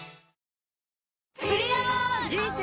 人生